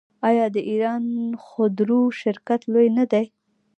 آیا د ایران خودرو شرکت لوی نه دی؟